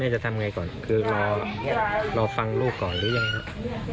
จะทำไงก่อนคือรอฟังลูกก่อนหรือยังครับ